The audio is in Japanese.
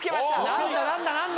何だ何だ何だ？